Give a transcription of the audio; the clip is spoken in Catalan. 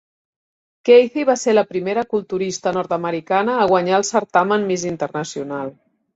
Cathey va ser la primera culturista nord-americana a guanyar el certamen Miss Internacional.